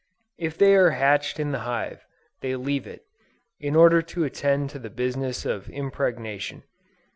If they are hatched in the hive, they leave it, in order to attend to the business of impregnation.